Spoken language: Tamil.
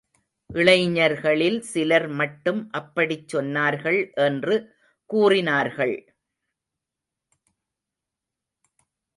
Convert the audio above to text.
இளைஞர்களில் சிலர் மட்டும் அப்படிச் சொன்னார்கள் என்று கூறினார்கள்.